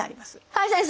はい先生！